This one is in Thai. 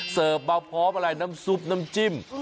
มาพร้อมอะไรน้ำซุปน้ำจิ้ม